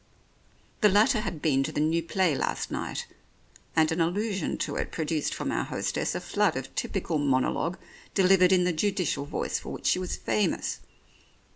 The latter had been to the new play last night, and an allusion to it produced from our hostess a flood of typical monologue delivered in the judicial voice for which she was famous.